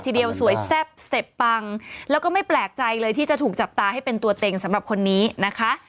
ทีเดียวสวยแซ่บเสพปังแล้วก็ไม่แปลกใจเลยที่จะถูกจับตาให้เป็นตัวเต็งสำหรับคนนี้นะคะ